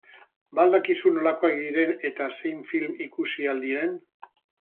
Ba al dakizu nolakoak diren eta zein film ikusi ahal diren?